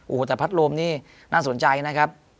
โอ้โหแต่พัดลมนี่น่าสนใจนะครับ